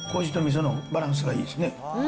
そのバランスがいいですね。